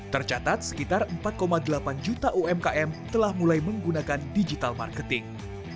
tercatat sekitar empat delapan juta umkm telah mulai menggunakan digital marketing